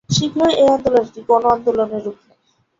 শীঘ্রই এ আন্দোলন একটি গণআন্দোলনের রূপ নেয়।